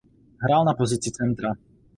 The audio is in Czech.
Hrál na pozici centra.